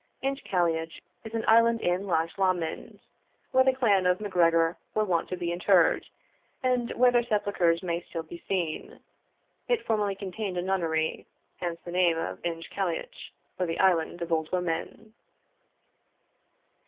Inch Cailleach is an island in Lochlomond, where the clan of MacGregor were wont to be interred, and where their sepulchres may still be seen. It formerly contained a nunnery: hence the name of Inch Cailleach, or the island of Old Women.